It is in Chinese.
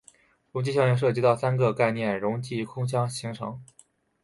溶剂效应涉及到三个概念溶剂空腔形成。